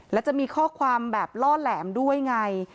แล้วจะมีข้อความแบบล่อแหลมด้วยไง